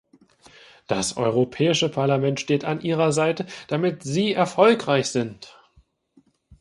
Das Europäische Parlament steht an Ihrer Seite, damit Sie erfolgreich sind.